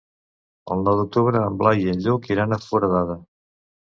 El nou d'octubre en Blai i en Lluc iran a Foradada.